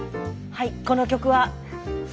はいこの曲は。